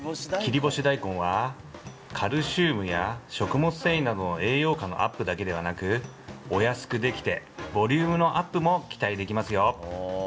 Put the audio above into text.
切り干し大根はカルシウムや食物繊維などの栄養価のアップだけではなくお安くできてボリュームのアップも期待できますよ。